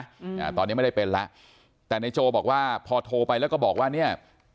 อืมอ่าตอนเนี้ยไม่ได้เป็นแล้วแต่นายโจบอกว่าพอโทรไปแล้วก็บอกว่าเนี้ย